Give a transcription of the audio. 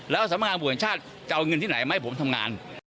แล้วสมัครบุหรษชาติจะเอาเงินที่ไหนไม่ให้ผมทำงาน